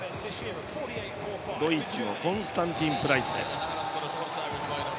ドイツのコンスタンティン・プライスです。